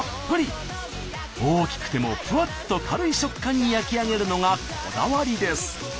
大きくてもふわっと軽い食感に焼き上げるのがこだわりです。